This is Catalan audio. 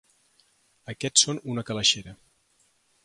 Aquests són una calaixera.